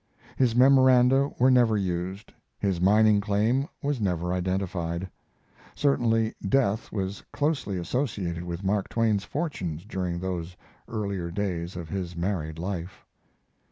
His memoranda were never used, his mining claim was never identified. Certainly, death was closely associated with Mark Twain's fortunes during those earlier days of his married life.